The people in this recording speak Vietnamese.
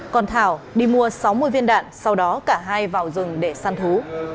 còn thảo đi mua sáu mươi viên đạn sau đó cả hai vào rừng để săn thú